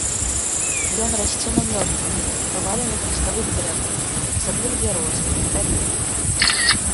Ён расце на мёртвых, паваленых ліставых дрэвах, асабліва бярозы, рабіны.